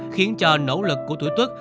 khiến cho nỗ lực của tuổi tuốt